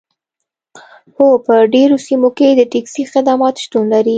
هو په ډیرو سیمو کې د ټکسي خدمات شتون لري